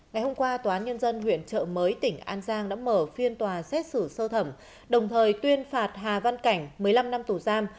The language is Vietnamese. ngày hôm qua tòa án nhân dân huyện trợ mới tỉnh an giang đã mở phiên tòa xét xử sơ thẩm đồng thời tuyên phạt hà văn cảnh một mươi năm năm tù giam